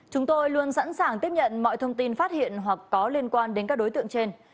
chúng tôi luôn sẵn sàng tiếp nhận mọi thông tin phát hiện hoặc có liên quan đến các đối tượng trên